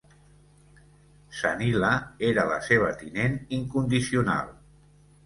Sanila era la seva tinent incondicional.